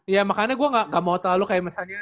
ya makanya gue gak mau terlalu kayak misalnya